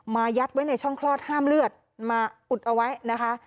ยัดไว้ในช่องคลอดห้ามเลือดมาอุดเอาไว้นะคะ